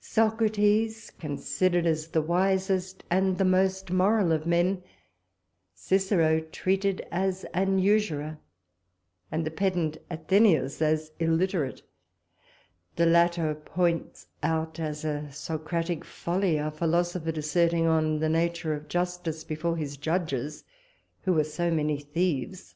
Socrates, considered as the wisest and the most moral of men, Cicero treated as an usurer, and the pedant Athenæus as illiterate; the latter points out as a Socratic folly our philosopher disserting on the nature of justice before his judges, who were so many thieves.